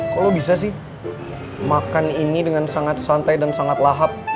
kalau bisa sih makan ini dengan sangat santai dan sangat lahap